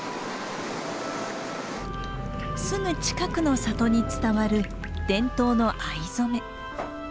すぐ近くの里に伝わる伝統の藍染め。